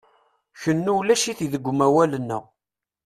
Kennu ulac-it deg umawal-nneɣ.